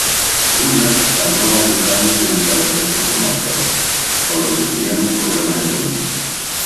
Gunnar tardó varios años en establecerse como actor, por lo que tuvieron problemas económicos.